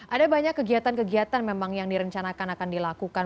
ada banyak kegiatan kegiatan memang yang direncanakan akan dilakukan